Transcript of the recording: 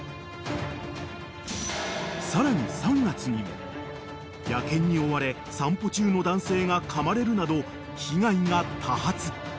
［さらに３月にも野犬に追われ散歩中の男性がかまれるなど被害が多発］